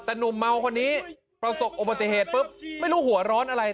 ประสบโอบอติเหตุปุ๊บไม่รู้หัวร้อนอะไร